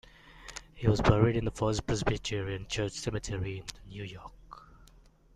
He was buried in the First Presbyterian Church Cemetery in New York.